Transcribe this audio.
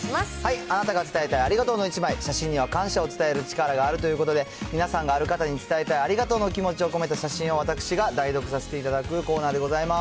あなたが伝えたいありがとうの１枚、写真には感謝を伝える力があるということで、皆さんがある方に伝えたいありがとうの気持ちを込めて写真を代読させていただくコーナーでございます。